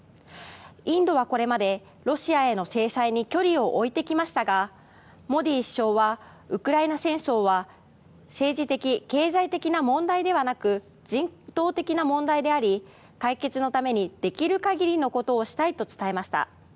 インドはこれまでロシアへの制裁に距離を置いてきましたがモディ首相は、ウクライナ戦争は政治的・経済的な問題ではなく人道的な問題であり解決のためにできる限りのことをしたいと伝えました。